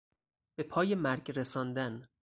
به پای مرگ رساندن